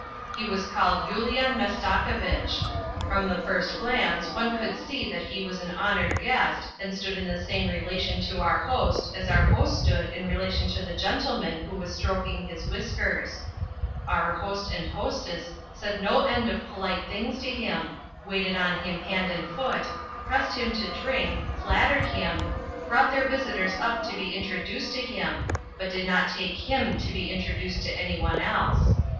He was called Yulian Mastakovitch. From the first glance one could see that he was an honoured guest, and stood in the same relation to our host as our host stood in relation to the gentleman who was stroking his whiskers. Our host and hostess said no end of polite things to him, waited on him hand and foot, pressed him to drink, flattered him, brought their visitors up to be introduced to him, but did not take him to be introduced to any one else.